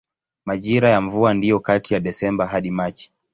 Majira ya mvua ndiyo kati ya Desemba hadi Machi.